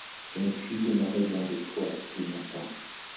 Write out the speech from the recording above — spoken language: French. Je ne puis demeurer loin de toi plus longtemps.